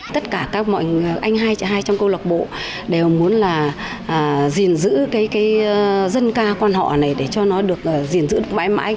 tất cả các anh hai trong câu lạc bộ đều muốn là giữ dân ca quan họ này để cho nó được giữ mãi mãi